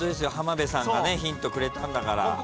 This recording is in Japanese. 浜辺さんがヒントくれたんだから。